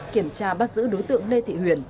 kiểm tra bắt giữ đối tượng lê thị huyền